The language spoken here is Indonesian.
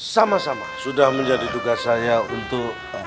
sama sama sudah menjadi tugas saya untuk